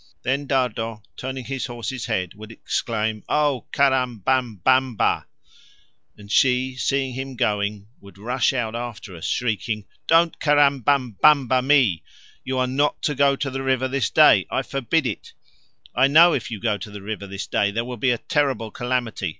Then Dardo, turning his horse's head, would exclaim, "Oh, caram bam bam ba!" And she, seeing him going, would rush out after us, shrieking, "Don't caram bam bam ba me! You are not to go to the river this day I forbid it! I know if you go to the river this day there will be a terrible calamity!